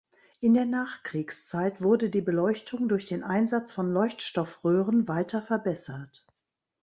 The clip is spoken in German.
In der Nachkriegszeit wurde die Beleuchtung durch den Einsatz von Leuchtstoffröhren weiter verbessert.